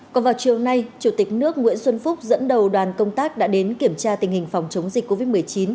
còn vào chiều nay chủ tịch nước nguyễn xuân phúc dẫn đầu đoàn công tác đã đến kiểm tra tình hình phòng chống dịch covid một mươi chín